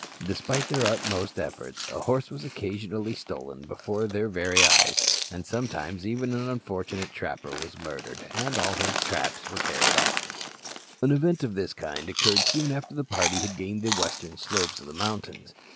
Despite their utmost efforts, a horse was occasionally stolen before their very eyes, and sometimes even an unfortunate trapper was murdered, and all his traps carried off. An event of this kind occurred soon after the party had gained the western slopes of the mountains.